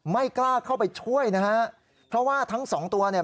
ไม่กล้าเข้าไปช่วยนะฮะเพราะว่าทั้งสองตัวเนี่ย